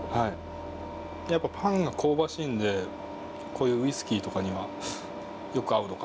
やっぱパンが香ばしいんでこういうウイスキーとかにはよく合うのかな。